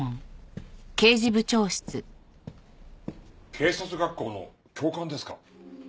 警察学校の教官ですか？